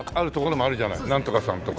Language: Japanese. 「なんとかさん」とか。